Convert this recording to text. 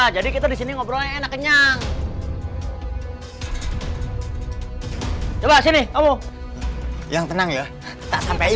gitu lah jadi kita disini ngobrolnya enak kenyang coba sini kamu yang tenang ya tak sampai